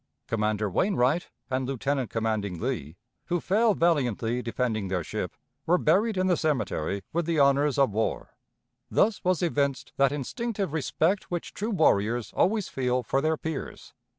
Commander Wainright and Lieutenant commanding Lea, who fell valiantly defending their ship, were buried in the cemetery with the honors of war: thus was evinced that instinctive respect which true warriors always feel for their peers.